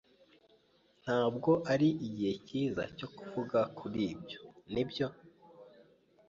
Ntabwo ari igihe cyiza cyo kuvuga kuri ibyo, nibyo?